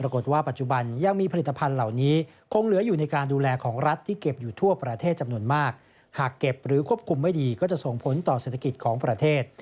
ก็จะส่งผลต่อเศรษฐกิจของประเทศ